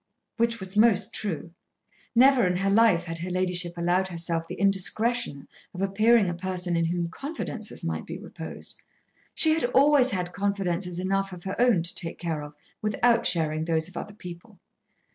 Which was most true. Never in her life had her ladyship allowed herself the indiscretion of appearing a person in whom confidences might be reposed. She had always had confidences enough of her own to take care of, without sharing those of other people.